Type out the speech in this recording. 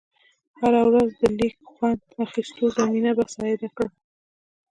هره ورځ د لیږ خوند اخېستو زمینه مساعده کړه.